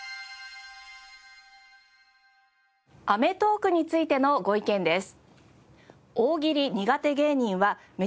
『アメトーーク！』についてのご意見です。